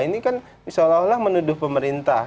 ini kan seolah olah menuduh pemerintah